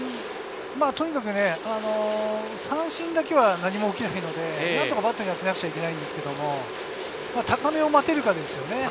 三振だけは何も起きないので、何とか出なくちゃいけないんですけど、高めを待てるかですね。